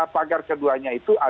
pagar keduanya itu